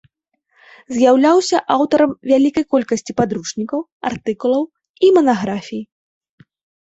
З'яўляўся аўтарам вялікай колькасці падручнікаў, артыкулаў і манаграфій.